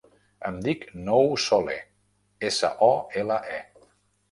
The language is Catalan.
Em dic Nouh Sole: essa, o, ela, e.